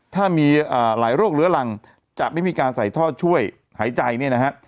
ถ้ามีหลายโรคเรื้อรังจะไม่มีการใส่ท่อช่วยหายใจเนี่ยนะฮะ